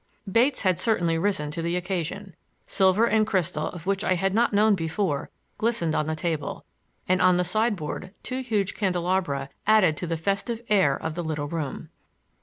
Bates had certainly risen to the occasion. Silver and crystal of which I had not known before glistened on the table, and on the sideboard two huge candelabra added to the festival air of the little room.